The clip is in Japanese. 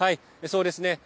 そうですね。